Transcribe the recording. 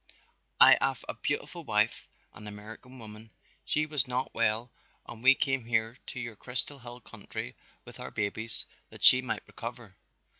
"I haf a very beautiful wife, an American woman. She was not well and we came here to your Crystal Hill country with our babies that she might recover.